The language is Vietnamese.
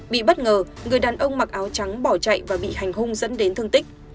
bị bất ngờ người đàn ông mặc áo trắng bỏ chạy và bị hành hung dẫn đến thương tích